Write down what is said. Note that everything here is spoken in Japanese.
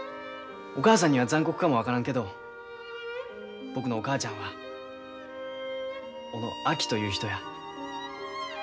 お母さんには残酷かも分からんけど僕のお母ちゃんは小野あきという人や。